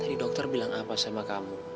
ini dokter bilang apa sama kamu